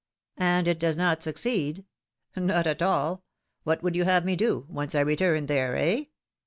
^^And it does not succeed ?" Not at all ! What would you have me do, once I returned there, eh